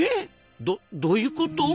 どどういうこと？